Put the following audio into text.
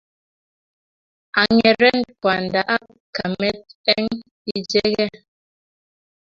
Ang'eren kwanda ak kamet eng' icheke